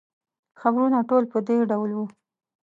خبرونه ټول په دې ډول وو.